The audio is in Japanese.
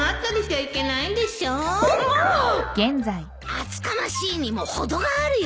厚かましいにも程があるよ。